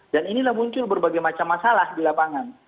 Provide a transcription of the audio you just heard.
dan inilah muncul berbagai macam masalah di lapangan